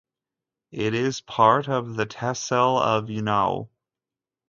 It is part of the tehsil of Unnao.